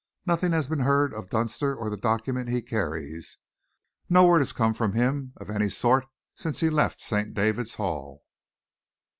Nothing had been heard of Dunster or the document he carries. No word has come from him of any sort since he left St. David's Hall."